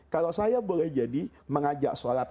kalau saya boleh jadi mengajak sholat